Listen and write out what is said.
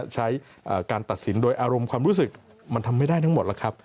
การตัดสินโดยอารมณ์ความรู้สึกมันทำไม่ได้ทั้งหมดแล้วครับ